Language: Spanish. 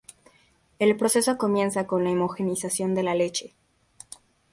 El proceso comienza con la homogeneización de la leche.